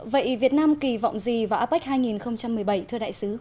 vậy việt nam kỳ vọng gì vào apec hai nghìn một mươi bảy thưa đại sứ